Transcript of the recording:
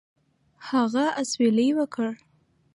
هغه اسویلی وکړ.